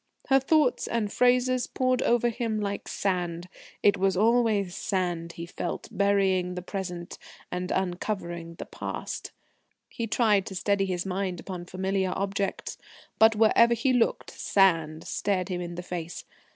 Her thoughts and phrases poured over him like sand. It was always sand he felt burying the Present and uncovering the Past.... He tried to steady his mind upon familiar objects, but wherever he looked Sand stared him in the face.